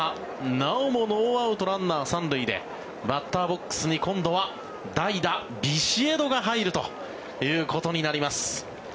なおもノーアウト、ランナー３塁でバッターボックスに今度は代打、ビシエドが入るということになります。